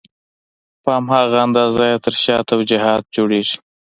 په هماغه اندازه یې تر شا توجیهات جوړېږي.